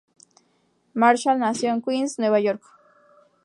Marshall nació en Queens, Nueva York.